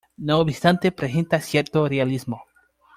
No obstante, presenta cierto realismo.